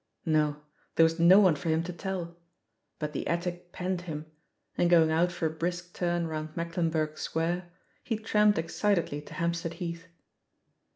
No, there was no one for him to tell; but the attic penned him, and, going out for a brisk turn round Mecklenburgh Square, he tramped ex citedly to Hampstead Heath.